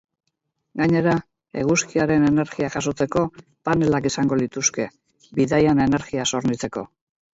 Gainera, eguzkiaren energia jasotzeko panelak izango lituzke, bidaian energiaz hornitzeko.